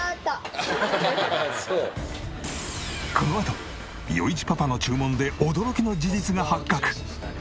このあと余一パパの注文で驚きの事実が発覚！